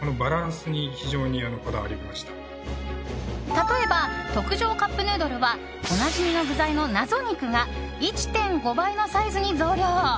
例えば特上カップヌードルはおなじみの具材の謎肉が１．５倍のサイズに増量。